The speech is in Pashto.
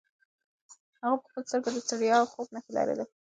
هغه په خپلو سترګو کې د ستړیا او خوب نښې لرلې.